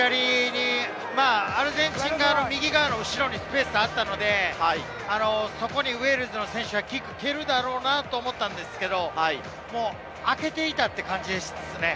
アルゼンチン側の後ろにスペースがあったので、そこにウェールズの選手がキックを蹴るだろうなと思ったんですけれど、あけていたという感じですね。